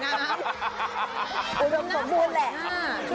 หน้าผ่อนหน้า